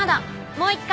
もう一回。